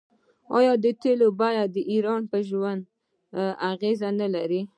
آیا د تیلو بیه د ایران په ژوند اغیز نلري؟